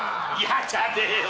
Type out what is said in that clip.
じゃねえよ。